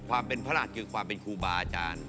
ความเป็นพระราชคือความเป็นครูบาอาจารย์